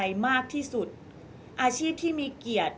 ก็ต้องฝากพี่สื่อมวลชนในการติดตามเนี่ยแหละค่ะ